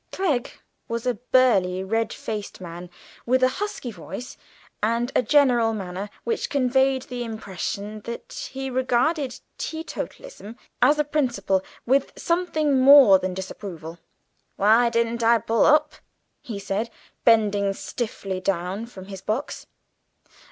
Clegg was a burly, red faced man, with a husky voice and a general manner which conveyed the impression that he regarded teetotalism, as a principle, with something more than disapproval. "Why didn't I pull up?" he said, bending stiffly down from his box.